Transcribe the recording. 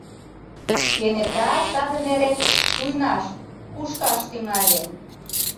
Кенета саде нерет шуйнаш, кушкаш тӱҥале.